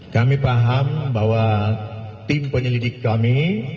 kami paham bahwa tim penyelidik kami